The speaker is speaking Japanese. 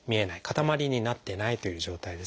塊になってないという状態ですね。